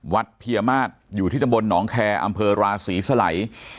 เพียมาศอยู่ที่ตำบลหนองแคร์อำเภอราศรีสลัย